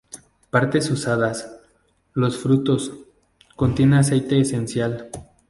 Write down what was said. Partes usadas: Los frutos, contiene aceite esencial.